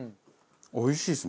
おいしいです。